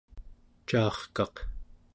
caarkaq